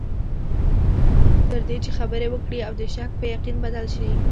تر دې چې خبرې وکړې او د شک په یقین بدل شي.